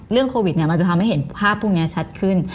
โควิดมันจะทำให้เห็นภาพพวกนี้ชัดขึ้น